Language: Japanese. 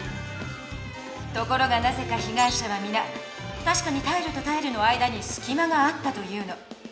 ところがなぜかひがい者はみな「たしかにタイルとタイルの間にすきまがあった」と言うの。